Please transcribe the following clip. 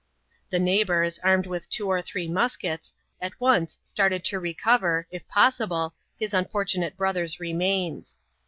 The neighbours, armed with two or three muskets, at once started to recover, if possible, his unfor tunate brother's remains.